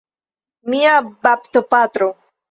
Mia baptopatro!